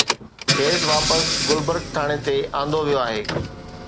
کيس واپس گلبرگ ٿاڻي تي آندو ويو آهي